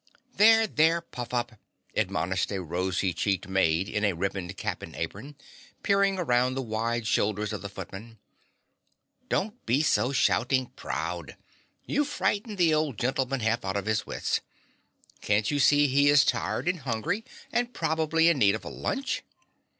"There, there, Puffup," admonished a rosy cheeked maid in a ribboned cap and apron, peering around the wide shoulders of the footman. "Don't be so shouting proud. You've frightened the old gentleman half out of his wits. Can't you see he is tired and hungry and probably in need of a lunch?"